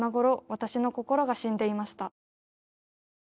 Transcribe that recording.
「私の心が死んでいました」